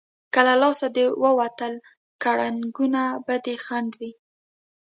که له لاسه دې ووتل، کړنګونه به دې خنډ وي.